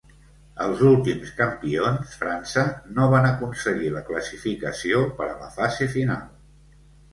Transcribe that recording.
Els últims campions, França, no van aconseguir la classificació per a la fase final.